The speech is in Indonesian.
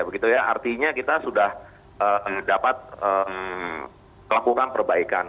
begitu ya artinya kita sudah dapat melakukan perbaikan